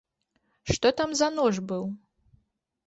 Што там за нож быў?